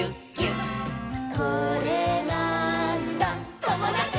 「これなーんだ『ともだち！』」